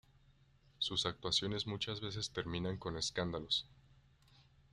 Sus actuaciones muchas veces terminan con escándalos.